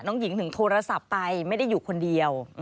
หญิงถึงโทรศัพท์ไปไม่ได้อยู่คนเดียว